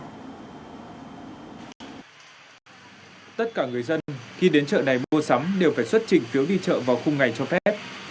tất cả người dân khi đến chợ này mua sắm đều phải xuất trình phiếu đi chợ vào khung ngày cho phép